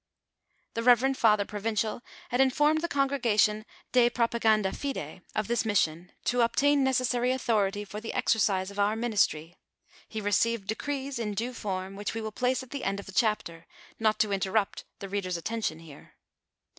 The reverend father provincial had informed the Congrega tion de propaganda fide, of this mission, to obtain necessary au thority for the exercise of our ministry ; he received decrees in due form, which we will place at the end of the chapter, not to interrupt the reader's attention here.